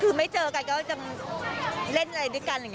คือไม่เจอกันก็จะเล่นอะไรด้วยกัน